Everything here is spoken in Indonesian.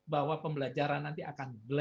bahwa temblajaran nanti akanee